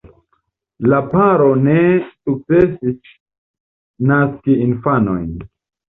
La paro ne sukcesis naski infanojn.